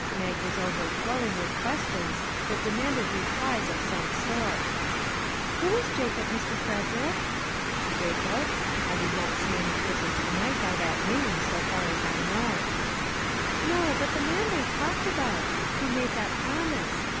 Mag was overflowing with ques tions that demanded replies of some sort. " Who is Jacob, Mr. Frederick ?"" Jacob ? I did not see any person to night by that name, so far as I know." 176 NEW IDEAS " No, but the man they talked about ; who made that promise.